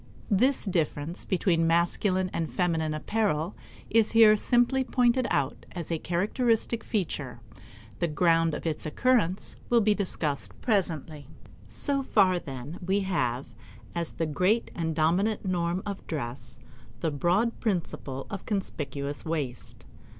This difference between masculine and feminine apparel is here simply pointed out as a characteristic feature. The ground of its occurrence will be discussed presently. So far, then, we have, as the great and dominant norm of dress, the broad principle of conspicuous waste.